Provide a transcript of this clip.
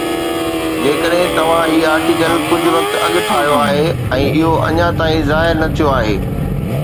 جيڪڏھن توھان ھي آرٽيڪل ڪجھ وقت اڳ ٺاھيو آھي ۽ اھو اڃا تائين ظاهر نه ٿيو آھي